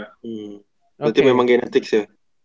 berarti memang genetik sih